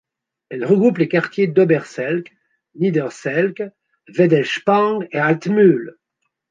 Elle regroupe les quartiers d'Oberselk, Niederselk, Wedelspang et Altmühl.